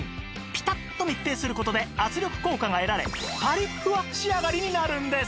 ピタッと密閉する事で圧力効果が得られパリっふわ仕上がりになるんです